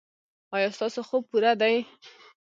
ایا ستاسو خوب پوره دی؟